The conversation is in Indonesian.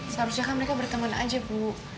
seharusnya kan mereka berteman aja bu